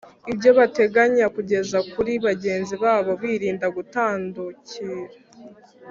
ibyo bateganya kugeza kuri bagenzi babo birinda gutandukira.